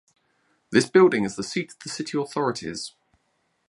This building is the seat of the city authorities.